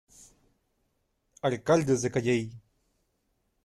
Alcaldes de Cayey